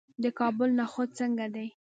د کابل نخود څنګه دي؟